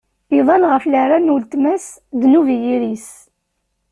Iḍall ɣef leɛra n weltma-s: ddnub i yiri-s.